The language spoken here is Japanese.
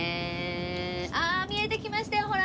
あっ見えてきましたよほら。